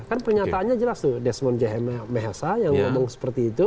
kan pernyataannya jelas tuh desmond mehesa yang ngomong seperti itu